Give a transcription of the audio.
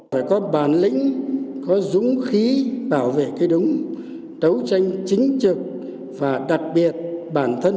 phải có bản lĩnh có dũng khí bảo vệ cái đúng đấu tranh chính trực và đặc biệt bản thân